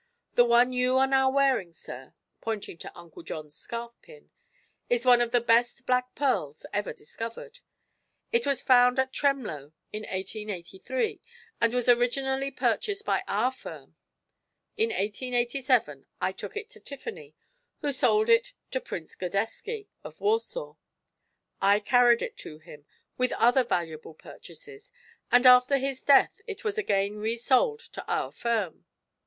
The one you are now wearing, sir," pointing to Uncle John's scarf pin, "is one of the best black pearls ever discovered. It was found at Tremloe in 1883 and was originally purchased by our firm. In 1887 I took it to Tiffany, who sold it to Prince Godesky, of Warsaw. I carried it to him, with other valuable purchases, and after his death it was again resold to our firm.